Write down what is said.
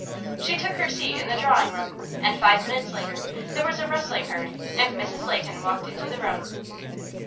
She took her seat in the drawing room, and five minutes later there was a rustling heard, and Mrs. Leighton walked into the room.